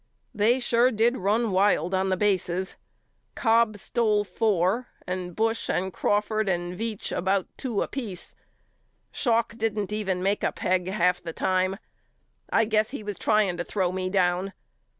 They sure did run wild on the bases. Cobb stole four and Bush and Crawford and Veach about two apiece. Schalk didn't even make a peg half the time. I guess he was trying to throw me down.